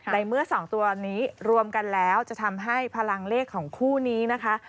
ในเมื่อ๒ตัวนี้รวมกันแล้วจะทำให้พลังเลขของคู่นี้นะคะ